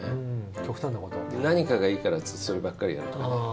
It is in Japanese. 何かがいいからってそればっかりやるとかね。